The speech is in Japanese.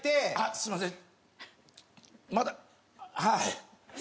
すみません。